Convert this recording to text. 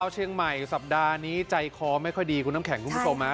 เชียงใหม่สัปดาห์นี้ใจคอไม่ค่อยดีคุณน้ำแข็งคุณผู้ชมฮะ